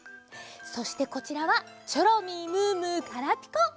そしてこちらはチョロミームームーガラピコ！